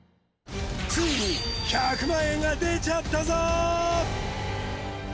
ついに１００万円が出ちゃったぞー！